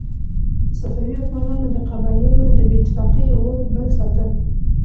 صفوي واکمنانو د قبایلو د بې اتفاقۍ اور بل ساته.